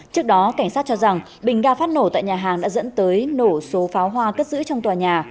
trước đó cảnh sát cho rằng bình ga phát nổ tại nhà hàng đã dẫn tới nổ số pháo hoa cất giữ trong tòa nhà